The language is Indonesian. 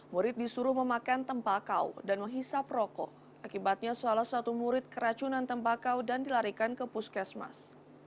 murid disuruh memakan tembakau dan menghisap rokok akibatnya salah satu murid keracunan tembakau dan dilarikan ke puskesmas